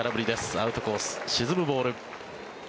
アウトコース、沈むボール。